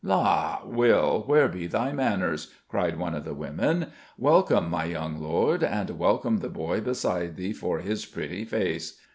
"La, Will, where be thy manners?" cried one of the women. "Welcome, my young Lord; and welcome the boy beside thee for his pretty face!